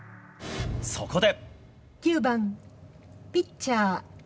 そこで。